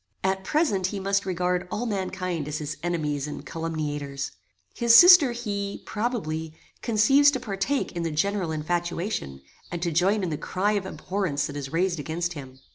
At present he must regard all mankind as his enemies and calumniators. His sister he, probably, conceives to partake in the general infatuation, and to join in the cry of abhorrence that is raised against him.